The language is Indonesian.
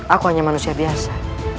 aku hanya manusia biasa